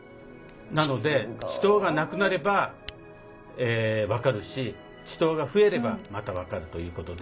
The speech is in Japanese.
なので池溏が無くなれば分かるし池溏が増えればまた分かるということで。